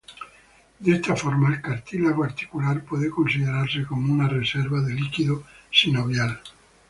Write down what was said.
De esta forma el cartílago articular puede considerarse como una reserva de líquido sinovial.